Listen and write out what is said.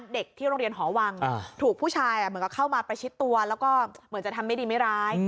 เด็กที่โรงเรียนหอวังถูกผู้ชายเหมือนกับเข้ามาประชิดตัวแล้วก็เหมือนจะทำไม่ดีไม่ร้าย